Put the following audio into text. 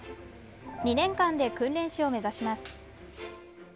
２年間で訓練士を目指します。